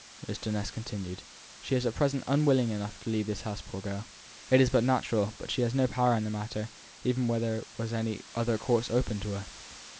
Mr. Ness continued: "She is at present unwilling enough to leave this house, poor girl. It is but natural; but she has no power in the matter, even were there any other course open to her.